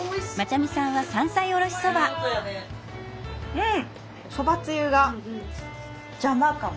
うん！